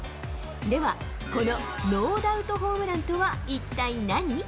では、このノーダウトホームランとは一体何？